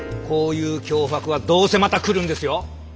こういう脅迫はどうせまた来るんですよ！